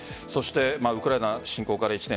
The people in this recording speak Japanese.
ウクライナ侵攻から１年。